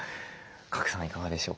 賀来さんはいかがでしょうか？